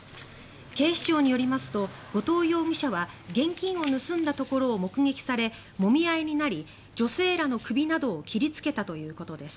警視庁によりますと後藤容疑者は現金を盗んだところを目撃されもみ合いになり女性らの首などを切りつけたということです。